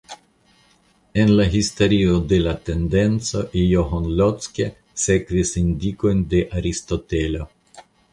En la historio de la tendenco John Locke sekvis indikojn de Aristotelo.